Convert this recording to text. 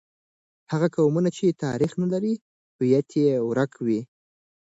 هغه قومونه چې تاریخ نه لري، هویت یې ورک وي.